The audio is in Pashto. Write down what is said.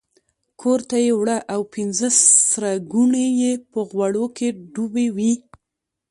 کورته یې وړه او پنځه سره ګوني یې په غوړو کې ډوبې وې.